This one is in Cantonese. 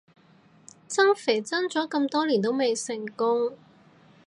增肥增咗咁多年都未成功